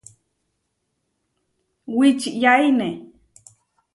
Wičiyaine.